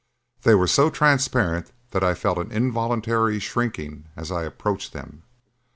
They were so transparent that I felt an involuntary shrinking as I approached them.